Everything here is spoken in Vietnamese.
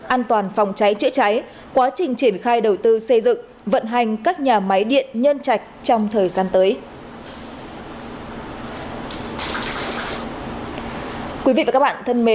an toàn phòng cháy chữa cháy quá trình triển khai đầu tư xây dựng vận hành các nhà máy điện nhân trạch trong thời gian tới